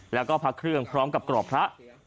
แล้วก็พระเครื่องพร้อมกับกรอบพระ